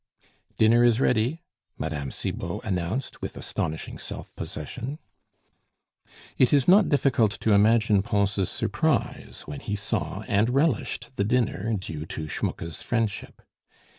"Dinner is ready," Mme. Cibot announced, with astonishing self possession. It is not difficult to imagine Pons' surprise when he saw and relished the dinner due to Schmucke's friendship.